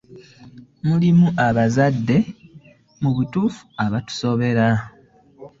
Mulimu abazadde mu butuufu abatusobera.